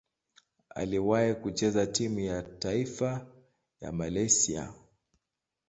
Aliwahi kucheza timu ya taifa ya Malaysia.